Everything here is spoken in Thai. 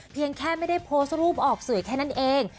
เพียงแค่ไม่ได้โพสต์รูปออกสื่อแค่นั้นเอง